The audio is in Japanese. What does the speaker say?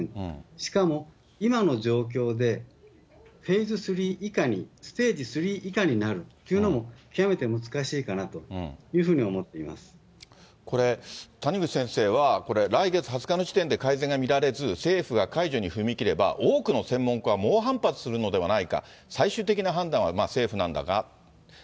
しかも今の状況で、フェーズ３以下に、ステージ３以下になるっていうのも極めて難しいかなというふうにこれ、谷口先生は来月２０日の時点で改善が見られず、政府が解除に踏み切れば、多くの専門家は猛反発するのではないかと、最終的な判断は政府なんだが。